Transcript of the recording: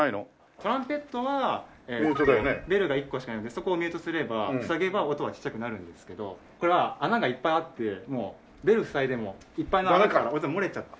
トランペットはベルが１個しかないのでそこをミュートすれば塞げば音はちっちゃくなるんですけどこれは穴がいっぱいあってベル塞いでもいっぱいの穴から音漏れちゃって。